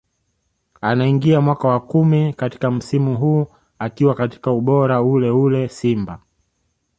Anaingia mwaka wa kumi katika msimu huu akiwa katika ubora ule ule Simba